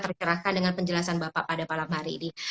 terkerahkan dengan penjelasan bapak pada malam hari ini